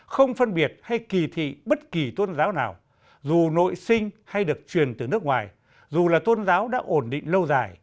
không phân biệt hay kỳ thị bất kỳ tôn giáo nào dù nội sinh hay được truyền từ nước ngoài dù là tôn giáo đã ổn định lâu dài